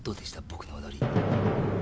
僕の踊り。